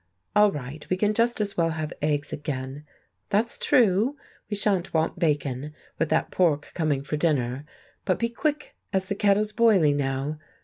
All right, we can just as well have eggs again.... That's true, we shan't want bacon, with that pork coming for dinner; but be quick, as the kettle's boiling now....